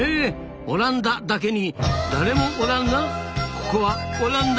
オランダだけに「誰もおらんな。